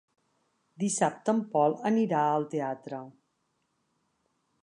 Dissabte en Pol anirà al teatre.